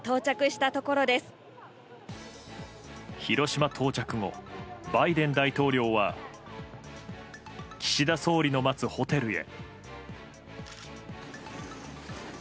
広島到着後バイデン大統領は岸田総理の待つホテルへ。